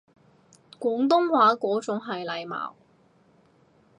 廣東話嗰種係體貌